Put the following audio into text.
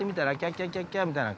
キャッキャッキャ」みたいな感じ。